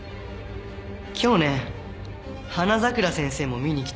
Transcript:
今日ね花桜先生も見に来てるよ。